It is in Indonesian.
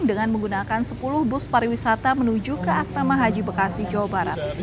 dengan menggunakan sepuluh bus pariwisata menuju ke asrama haji bekasi jawa barat